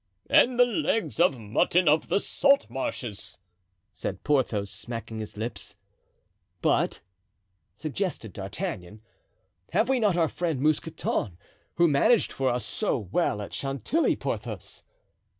"And the legs of mutton of the salt marshes," said Porthos, smacking his lips. "But," suggested D'Artagnan, "have we not our friend Mousqueton, who managed for us so well at Chantilly, Porthos?"